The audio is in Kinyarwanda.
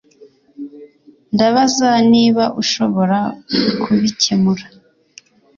Ndabaza niba ushobora kubikemura